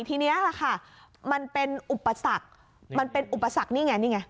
ทีนี้แหละค่ะมันเป็นอุปสรรคมันเป็นอุปสรรคนี่ไงนี่ไง